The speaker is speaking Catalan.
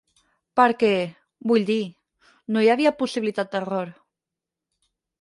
Perquè, vull dir, no hi havia possibilitat d"error.